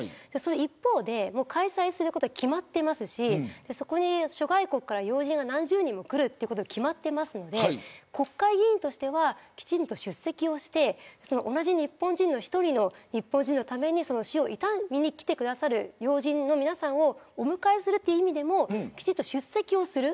一方で開催することが決まっていますしそこに諸外国から要人が何十人も来ることが決まっていますので国会議員としてはきちんと出席をして同じ１人の日本人のために死を悼みに来てくださる要人の皆さんをお迎えする意味でもきちんと出席をする。